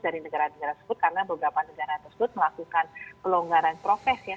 dari negara negara tersebut karena beberapa negara tersebut melakukan pelonggaran prokes ya